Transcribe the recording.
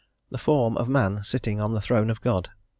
the form of man sitting on the throne of God?